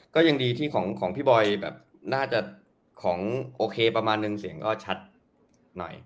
ก็ยังดีที่ของพี่บอยแบบน่าจะของโอเคประมาณนึงเสียงก็ชัดหน่อย